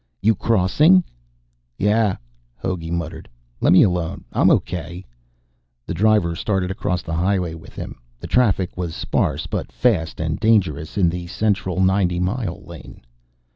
"You crossing?" "Yah," Hogey muttered. "Lemme alone, I'm okay." The driver started across the highway with him. The traffic was sparse, but fast and dangerous in the central ninety mile lane.